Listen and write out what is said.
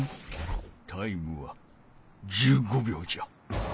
タイムは１５びょうじゃ。